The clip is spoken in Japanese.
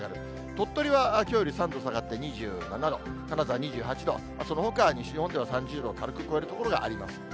鳥取はきょうより３度下がって２７度、金沢２８度、そのほか、西日本では３０度を軽く超える所があります。